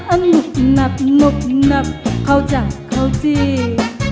อะหนุนับหนุนับเข้าจักเข้าจีก